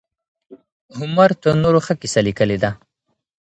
هومر تر نورو ښه کيسه ليکلې ده.